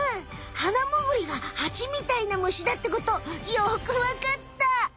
ハナムグリがハチみたいな虫だってことよくわかった！